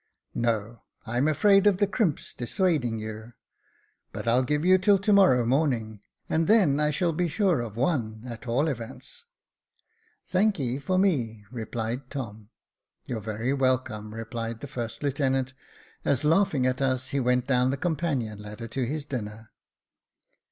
"No; I'm afraid of the crimps dissuading you. But I'll give you till to morrow morning, and then I shall be sure of one at all events." " Thanky for me," replied Tom. " You're very welcome," replied the first lieutenant, as, laughing at us, he went down the companion ladder to his dinner.